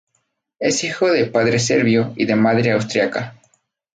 Es hijo de padre serbio y de madre austríaca.